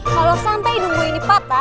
kalo sampe hidung gue ini patah